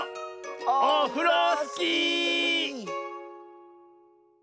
オフロスキー！